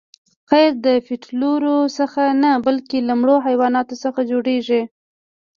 قیر د پطرولو څخه نه بلکې له مړو حیواناتو جوړیږي